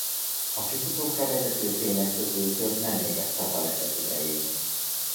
A kifutókra vezető fények közül több nem égett a baleset idején.